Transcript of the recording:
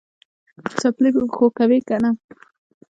څپلۍ په پښو کوې که نه؟